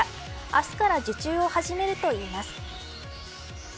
明日から受注を始めるといいます。